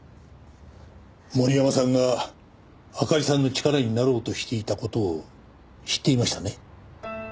森山さんがあかりさんの力になろうとしていた事を知っていましたね？